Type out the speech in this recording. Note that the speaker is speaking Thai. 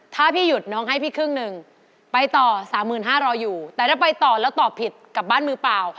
ถ้าไปต่อแล้วตอบผิดกลับบ้านมือเปล่า